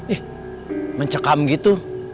ih mencekam gitu